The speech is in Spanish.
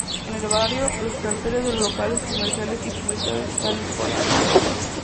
En el barrio, los carteles de los locales comerciales y publicidades están en coreano.